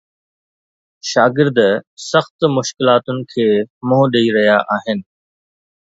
شاگرد سخت مشڪلاتن کي منهن ڏئي رهيا آهن